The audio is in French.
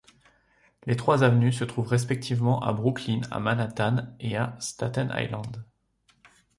Les trois avenues se trouvent respectivement à Brooklyn, à Manhattan et à Staten Island.